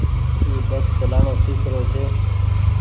اي بس چلآڻو سيک رو ڇي۔